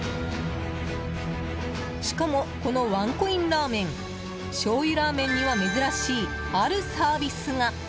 しかもこのワンコインラーメンしょうゆラーメンには珍しいあるサービスが。